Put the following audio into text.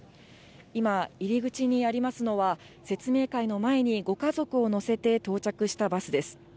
今、入り口にありますのは、説明会の前にご家族を乗せて到着したバスです。